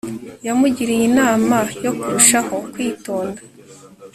yamugiriye inama yo kurushaho kwitonda